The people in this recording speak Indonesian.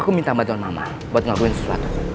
aku minta bantuan mama buat ngelakuin sesuatu